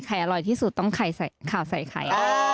อร่อยที่สุดต้องข่าวใส่ไข่